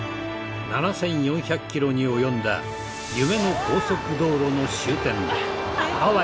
７４００キロに及んだ夢の高速道路の終点。